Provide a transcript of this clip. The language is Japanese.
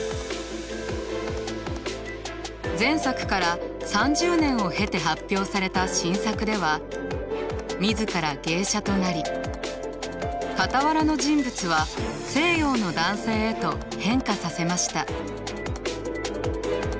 前作から３０年を経て発表された新作では自ら芸者となり傍らの人物は西洋の男性へと変化させました。